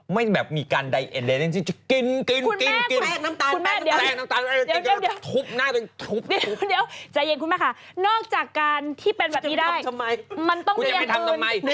ไม่แบบมีการใดเน็นจริง